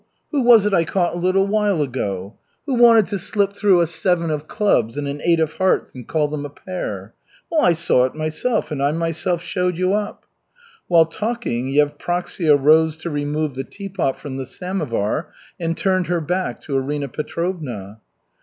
Who was it I caught a little while ago? Who wanted to slip through a seven of clubs and an eight of hearts and call them a pair? Well, I saw it myself and I myself showed you up!" While talking Yevpraksia rose to remove the tea pot from the samovar and turned her back to Arina Petrovna.